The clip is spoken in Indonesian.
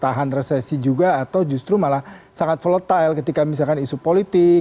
tahan resesi juga atau justru malah sangat volatile ketika misalkan isu politik